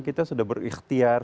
kita sudah berikhtiar